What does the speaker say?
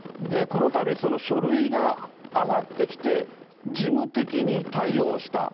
このたび書類が上がってきて、事務的に対応した。